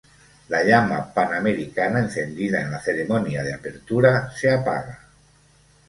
La llama panamericana encendida en la ceremonia de apertura se apaga.